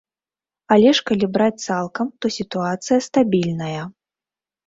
Але ж калі браць цалкам, то сітуацыя стабільная.